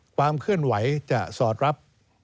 ความเคลื่อนไหวจะสอดรับ